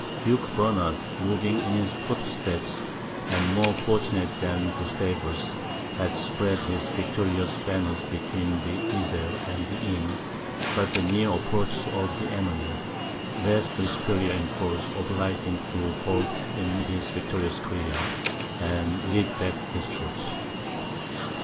Duke Bernard moving in his footsteps, and more fortunate than Gustavus, had spread his victorious banners between the Iser and the Inn; but the near approach of the enemy, vastly superior in force, obliged him to halt in his victorious career, and lead back his troops.